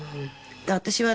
私はね